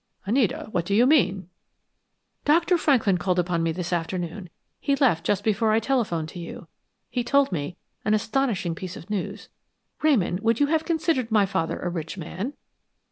"Anita, what do you mean?" "Dr. Franklin called upon me this afternoon; he left just before I telephoned to you. He told me an astonishing piece of news. Ramon, would you have considered my father a rich man?"